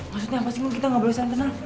maksudnya apa sih mun kita gak boleh santenang